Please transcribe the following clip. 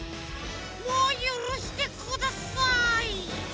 もうゆるしてください。